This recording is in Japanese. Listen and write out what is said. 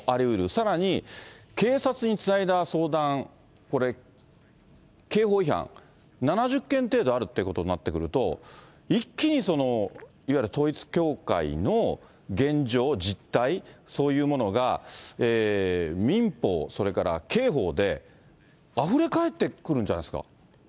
さらに、警察につないだ相談、これ、刑法違反、７０件程度あるってことになってくると、一気に、いわゆる統一教会の現状、実態、そういうものが民法、それから刑法であふれ返ってくるんじゃないですか。